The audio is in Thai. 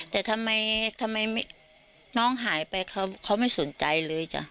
แต่ทำไมน้องหายไปเขาไม่สนใจเลยจ้ะ